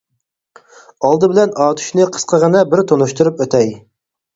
ئالدى بىلەن ئاتۇشنى قىسقىغىنە بىر تونۇشتۇرۇپ ئۆتەي.